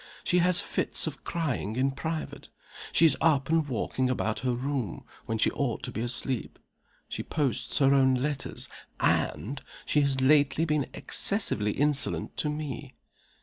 She has fits of crying in private. She is up and walking about her room when she ought to be asleep. She posts her own letters and, she has lately been excessively insolent to Me.